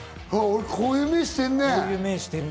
俺こういう目してるね。